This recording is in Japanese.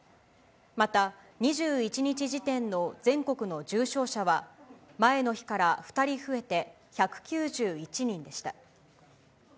また、２１日時点の全国の重症者は前の日から２人増えて１９１人でした。